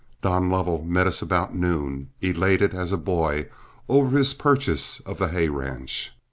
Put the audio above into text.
Don Lovell met us about noon, elated as a boy over his purchase of the hay ranch.